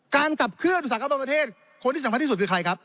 การขับเคลื่อนสังคมประเทศคนที่สำคัญที่สุดคือใครครับ